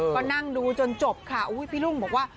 ก็นั่งดูจนจบค่ะพี่รุ่งบอกว่า